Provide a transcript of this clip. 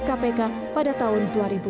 kepada tahun dua ribu tiga belas